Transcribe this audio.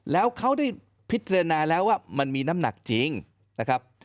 แล้วเขาได้พิจารณาแล้วว่ามันมีน้ำหนักจริงนะครับ